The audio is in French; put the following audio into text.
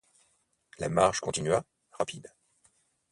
La marche continua, rapide.